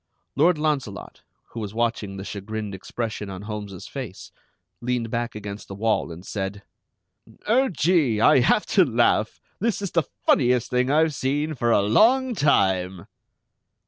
Lord Launcelot, who was watching the chagrined expression on Holmes's face, leaned back against the wall and said: "Oh, Gee! I have to laugh! This is the funniest thing I've seen for a long time!"